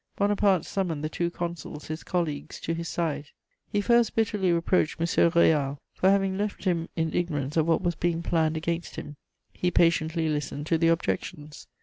Bonaparte summoned the two Consuls, his colleagues, to his side. He first bitterly reproached M. Réal for having left him in ignorance of what was being planned against him. He patiently listened to the objections.